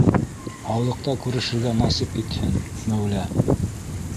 Һаулыҡта күрешергә насип итһен Мәүлә.